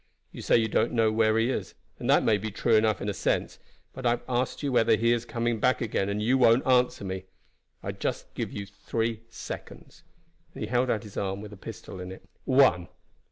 You say you don't know where he is, and that may be true enough in a sense; but I have asked you whether he is coming back again, and you won't answer me. I just give you three seconds;" and he held out his arm with a pistol in it. "One!"